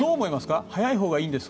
早いほうがいいんですか？